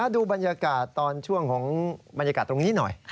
ดูบรรยากาศตอนช่วงของบรรยากาศตรงนี้หน่อย